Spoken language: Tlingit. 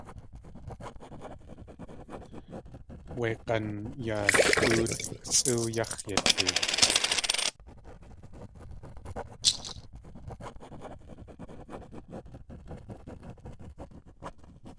Wé ganyalʼóotʼ sʼoow yáx̲ yatee.